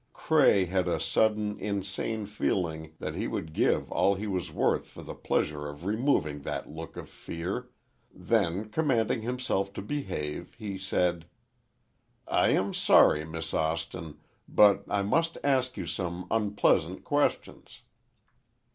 Cray had a sudden, insane feeling that he would give all he was worth for the pleasure of removing that look of fear, then commanding himself to behave, he said, "I am sorry, Miss Austin, but I must ask you some unpleasant questions."